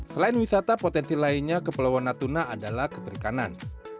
selain wisata potensi lainnya kepulauan natuna adalah keperikanan